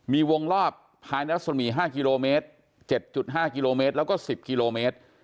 มีวงรอบภายในรัศมี๕กิโลเมตร๗๕กิโลเมตรแล้วก็๑๐กิโลเมตร